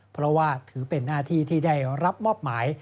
เพราะว่าถือเป็นหน้าที่ที่ได้รับมอบหมาย